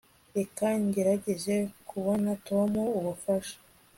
reka ngerageze kubona tom ubufasha